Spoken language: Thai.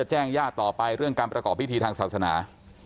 การประกอบพิธีทางศาสนา